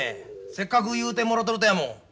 せっかく言うてもろとるとやもん。